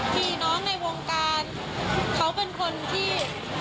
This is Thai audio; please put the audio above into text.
พี่น้องในวงการเขาเป็นคนที่